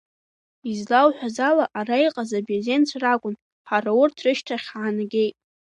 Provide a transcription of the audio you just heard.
Излоуҳәаз ала, ара иҟаз абырзенцәа ракәын, ҳара урҭ рышьҭахь ҳаанагеит.